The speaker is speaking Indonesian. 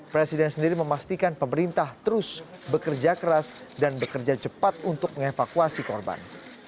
presiden sendiri memastikan pemerintah terus bekerja keras dan bekerja cepat untuk mengevakuasi korban